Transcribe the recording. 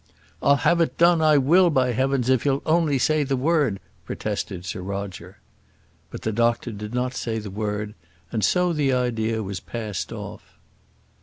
"I'll have it done, I will, by heavens! if you'll only say the word," protested Sir Roger. But the doctor did not say the word, and so the idea was passed off.